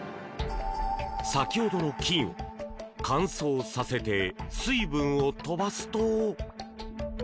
先ほどの金を乾燥させて水分を飛ばすと。